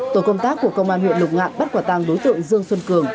tổ công tác của công an huyện lục ngạn bắt quả tàng đối tượng dương xuân cường